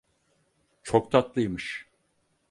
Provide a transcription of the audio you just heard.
Çok tatlıymış.